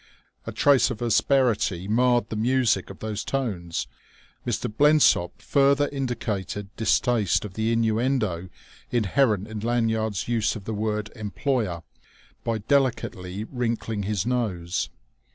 A trace of asperity marred the music of those tones; Mr. Blensop further indicated distaste of the innuendo inherent in Lanyard's use of the word "employer" by delicately wrinkling his nose.